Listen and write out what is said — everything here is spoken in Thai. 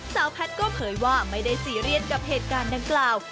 แพทย์ก็เผยว่าไม่ได้ซีเรียสกับเหตุการณ์ดังกล่าว